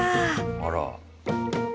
あら。